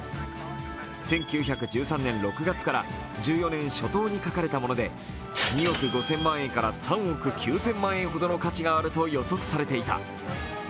１９１３年６月から１４年初頭に書かれたもので２億５０００万円から３億９０００万円ほどの価値があると予測されていた。